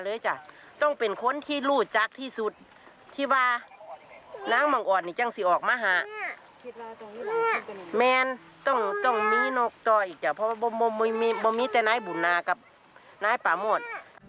แมนต้องมีนกต่ออีกจ้ะเพราะว่ามีแต่นายบุญนากับนายป่าโมด